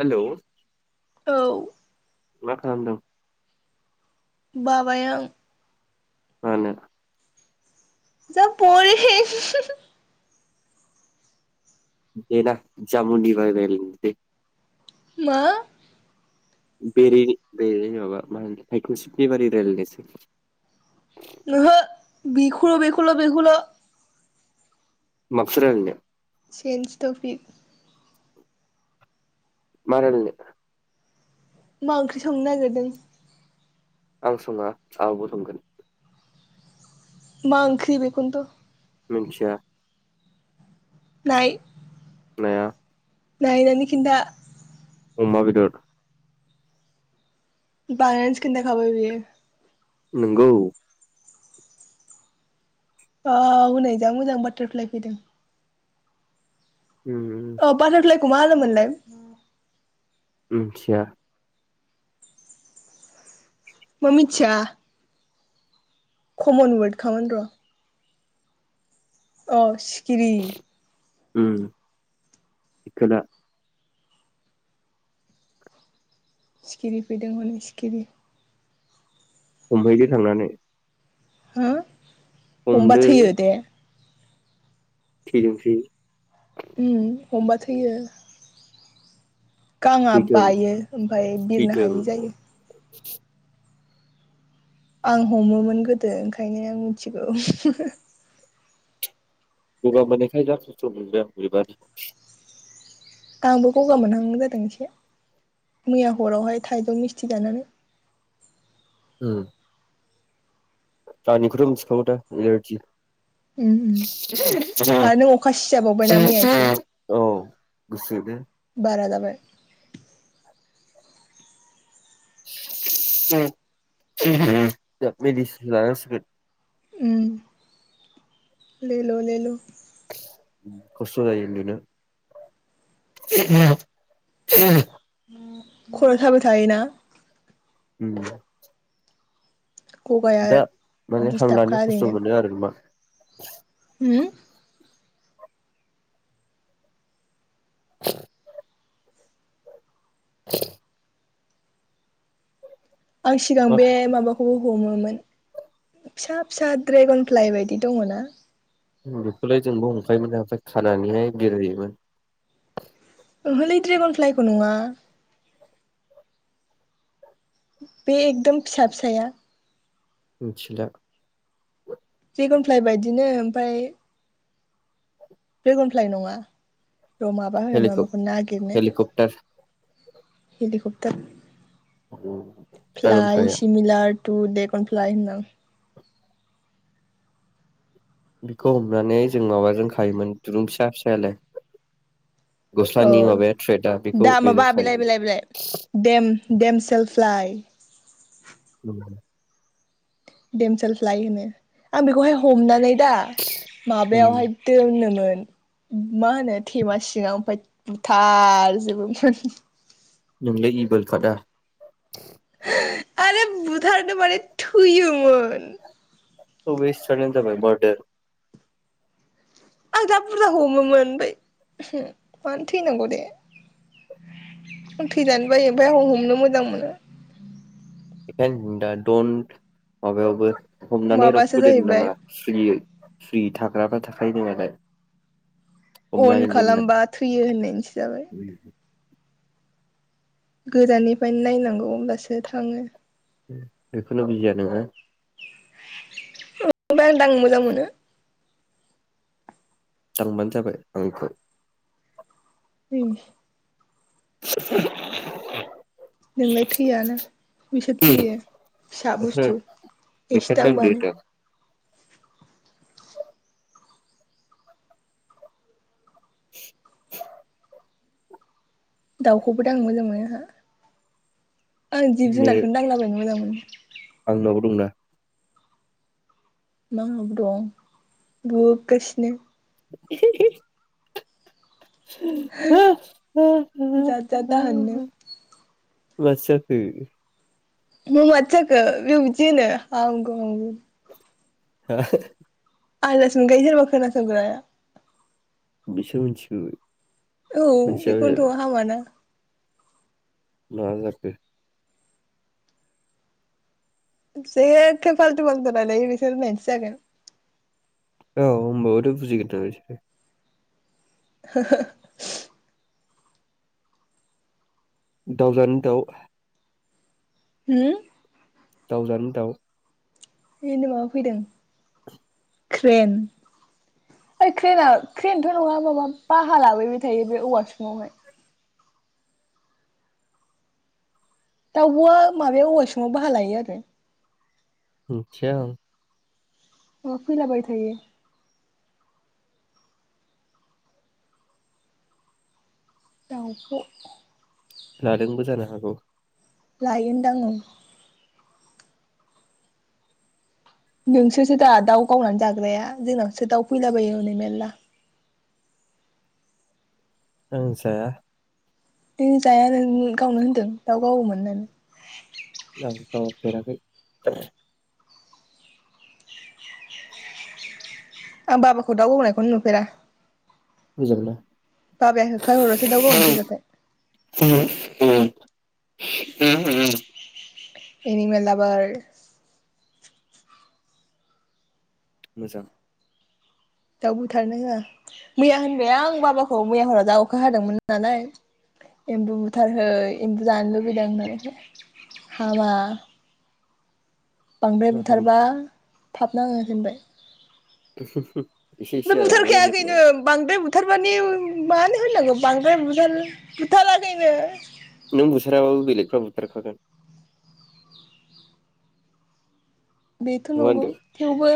Hello [unintelligible] औ मा खालामदों? बाबाय आं मानो जा बरिं देना जामुनि बागै रायलानसै दे मा बेरे बेरे माबा मा होन हक सिफनिबारि रायलायनोसै ओहो बिखोल' बिखोल' बिखोल' माखौथो रायलायनो सेन्स टफिक मा रायलानो? मा ओंख्रि संनो नागिरदों? आं सङा जा आब'आ सोंगोन। मा आंख्रि बेखौनोथ' मिनथिया नाय। नाया नायनानै‌ खिनथा अमा बेदर बास खोनथा खाबाय बियो नोंगौ अ हनै जा मोजां बाटारफ्लाइ फैदों उम अ बाटारफ्लाइ खमा होनोमोनलाय मोनथिया मा मिथिया कमन वर्डखामोन र' औ सिखिरि उ इकदा सिखिरि फैदों हनै सिखिरि हमहैदो थांनानै हो हमबा हमदो थैयो दे थैथोंसै उम हमबा थैयो गांआ थैथों बायो ओमफ्राय बिरनो थैथों हायै जायो [inaudible] आं हमोमोन गोदो ओंखायनो आं मिथिगौ गगा मोननायखाय जा खस्थ मोनदों बुरैबानो आंबो गगा मोनहांआं जादों एसे मैया हरावहाय थाइजौ मिस्थि जानानै ओम ओम दानिखौथ मोनथि खागो दा एलारजि उम उम आरो नों अखा सिजाबावबायना मैया एसे औ गुसुनो बाराजाबाय मेडिसिन जानांसिगोन उम ले ल ले ल खस्थ जायो उनदुनो खर' थाबाय थायो ना उम गगाया दा माने हां दिस्टाबखा लानो खस्थ ओरैनो मोनो आरो ना मा होम [inaudible] [inaudible] आं सिगां मा बे माबाखौ हमोमोन फिसा फिसा ड्रेगनफ्लाइ बायदि दङ ना बेखौलाय जोंबो हमखायोमोन ओमफ्राय खानानैहाय बिरहोयोमोन ओहोलै ड्रेगनफ्लाइखौ नङा बे एकदम फिसा फिसाया मिथिला ड्रेगनफ्लाइ बायदिनो ओमफ्राय ड्रेगनफ्लाइ नङा र माबा होन बेखौ नागिरनो हेलिकप्टार हेलिकप्टार ड्रागन फ्लाय फ्लाइआ सिमलार थु देखौन फ्लाय होननां बेखौ हमनानै जों माबाजों खायोमोन दुरुं फिसा फिसायालाय औ गस्लानि माबाया थ्रेदा बेखौ दा बेजों माबा बेलाइ बेलाइ बेलाइ देम देम सेलफ्लइ [inaudible] दमसेलफ्लाइ होनो आं बेखौहाय हमनानै दा माबायावहाय दोनोमोन मा होनो थेमासिङाव ओमफ्राय बुथारजोबोमोन नोंलाय इबोल खादा आरो बुथारनो माने थैयो मोन औ वेस्टआनो होनजाबाय बडार आं जा बुरजा हमोमोन ओफ्राय उमहु मानो थैनांगौ दे आं थैजानो बायो ओमफ्राय आं हमनो मोजां मोनो दा दन्ट माबायावबो हमनानै माबासो रावखौबो दोननो जाहैबाय नाङा सुलियै फ्रि थाग्राबा थाखायोनो मालाय अन खालामबा थैयो होननायनिसो जाबाय गोजाननिफ्रायनो नायनांगौ अब्लासो थाङो बेखौनो बुजिया नोङो ओ बा दां मोजां मोनो दांबानो जाबाय आंखौ उम [unintelligible] [inaudible] नोंलाय थैयाना बिसोर थैयो फिसा बुस्थु एसे बेखायनो दांदो दांबानो होनदां [inaudible] दाउखौबो दांनो मोजां मोनो आंहा आं जिब जुनारखौनो दांलाबायनो मोजां मोनो [inaudible] आं नावबो दंना मा दं बुगासिनो [inaudible] [inaudible] जाद जाद दाहोननो माथो जाखो मा माथो जाखो बेयाव इदि होनो हामगौ हामगौ हो आनदास मोनखायो खोना संग्राया [unintelligible] बिसो मिथिगो औ बेखथ' हामाना मा जाखो जेखे फाल्थु फाल्थु रायलायोलै बिसोरो होन्नाय निसो जागोन औ होनबाबोथ' बुजिगोन दा बिसोरो हो हो दाव जानि दाउ होम दाउ जानो दाउ ओइनै माबा फैदों [inaudible] क्रेन ओइ क्रेन आ क्रेनथ' नङा माबा बाहा लाबोबाय थायो बे औवासुंआवहाय दाउबआ माबायाव औवा सुङाव बाहा लायो आरो मिथिया आं अ फैला बाय थायो दावब' लादोंबो जानो हागौ लायोन दां ओं नोंसोरसो दा दाउ गावनानै जाग्राया जोंनावसो दाउ फैलाबायो हनै मेल्ला आं जाया उम जाया नों गावनो होनदों दाउ गावोमोन होननानै आं गावफेराखै आं बाबाखौ दाव गावनायखौनो नुफेरा मोजां मोना बाबाया होखार हरोसो दाउ गावनो फैबाथाय [unintelligible] इनिमेल लाबार मोजां दाउ बुथारनो होआ मैया होनबाय आं बाबाखौ मैया हराव जा अखा हादोंमोन नालाय एम्बु बुथारहै एम्बु जानो लुबैदों होननानै हामा बांद्राय नोंहा बुथारबा फाब नाङो होनबाय एसे बे एसे जाजायो बुथारखाया जेब्ला खैनो बांद्राय बुथारबानि मानो होननांगौ बांद्राय बुथार बुथाराखैनो नों बुथाराबाबो बेलेगफ्रा बुथारखागोन बेथ' नङा नंगौ होनदो थेवबो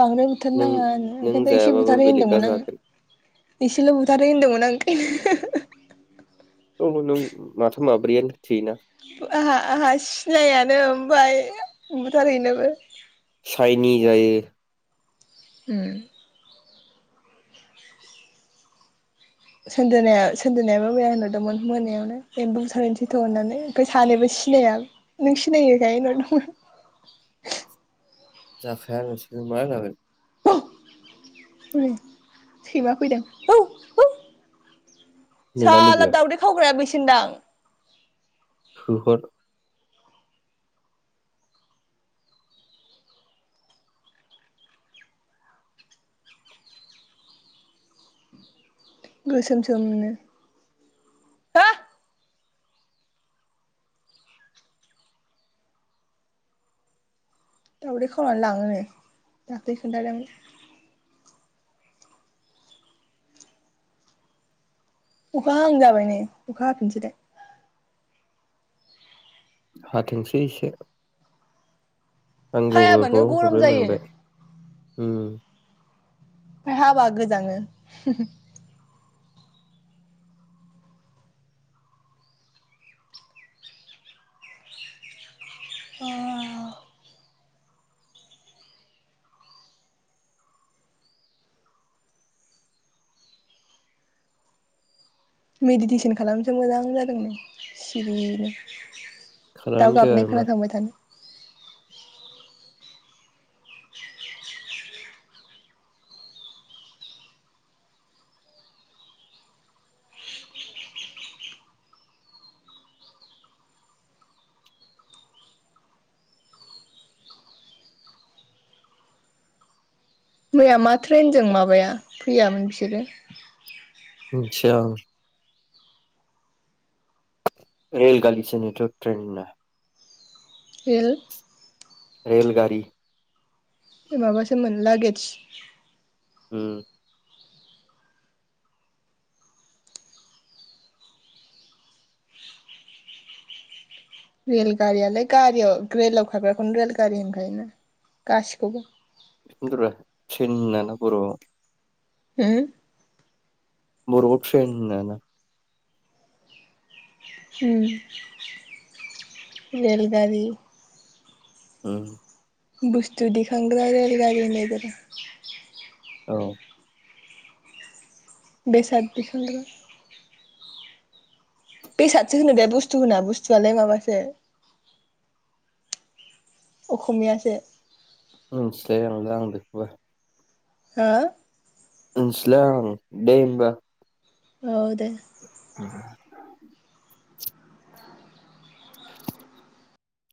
बांद्राय बुथारनो नों नाङा होन नों ओंखायनोथ' एसे जायाबाबो बुथारहै बेलेगा होनदोंमोन जागोन आङो एसेल' बुथारहै होनदोंमोन नांखायनो [unintelligible] औ नों माथाम माब्रियानो थैयो ना आहा आहा सिनायानो ओमफाय बुथारहैनोबो चाइनि जायो उम सनदोनाया सोनदोनायाबो मैया होनहरदोंमोन मोनायावनो एमबु बुथार हैनोसै थ होननानै ओमफ्राय सानैबो सिनाया नों सिनायोखाय हरदोंमोन आं जाखाया नोंसोरबो मा जागोन हनै सैमा फैदों औ औ नोंना साल्ला लोगोआ दाउदै खावग्राया बेैसो सोनदां होहर गोसोम सोमनो हो दाउदै खावनानै लाङो नो दाख्लै खोन्थादों अखा हा हांजाबाय नै अखा हाफिनसै लाय हाथोंसै एसे [unintelligible] हायाबानो गरम जायो मोनबाय ओमफ्राय उम फाय हाबा गोजाङो अवाव मेडिटेसन खालामनोसो मोजां जादों नो सिरिनो खालामदो आरो दावगाबनाय मा खोनासंबाय थानो मैया मा ट्रेनजों माबाया फैयामोन बिसोरो मोनथिया आं रेल गालिसो होनोथ' ट्रेन होना। एल रेलगारि माबासो मोन लागेेदज उम रेल गारियालाय गारियाव रेलाव खाग्राखौनो रेल गारि होनखायोना गासिखौबो [unintelligible] थिन होनाना बर' उम बर आव थ्रेन होना ना उम रेलगारि ओं बुस्थु दिखांग्रा रेल गारि होन्नाय जादों औ बेसाद दिखांग्रा बेसादसो होनो दा बुस्थु होना बुस्थुआलाय माबासो अखमियासो मोनथिलायलांला आं बेखौबो हो मोनथिला आं दे होनबा औ दे [inaudible] [inaudible]